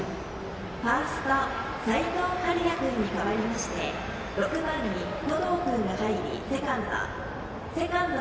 ファースト、齋藤敏哉君に代わりまして６番に登藤君が入り、セカンド。